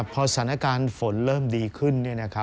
พอสถานการณ์ฝนเริ่มดีขึ้น